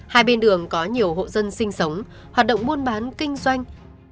hai bên đường có nhiều hộ dân sinh sống hoạt động buôn bán kinh doanh